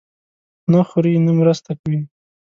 نه خوري، نه مرسته کوي.